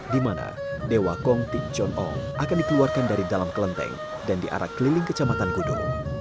di mana dewa kong ti chon ong akan dikeluarkan dari dalam kelenteng dan di arah keliling kejamatan gudo